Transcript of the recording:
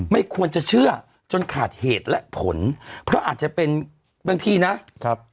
ไม่ควรจะเชื่อจนขาดเหตุและผลเพราะอาจจะเป็นบางทีนะครับ